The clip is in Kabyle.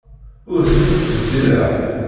Ur ten-id-ttbeddileɣ.